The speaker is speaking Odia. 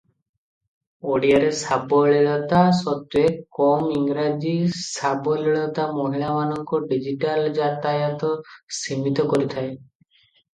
ଓଡ଼ିଆରେ ସାବଲୀଳତା ସତ୍ତ୍ୱେ କମ ଇଂରାଜୀ ସାବଲୀଳତା ମହିଳାମାନଙ୍କ ଡିଜିଟାଲ ଯାତାୟାତ ସୀମିତ କରିଥାଏ ।